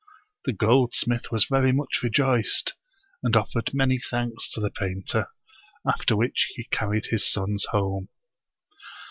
The goldsmith was very much rejoiced, and offered many thanks to the painter, after which he carried his sons home.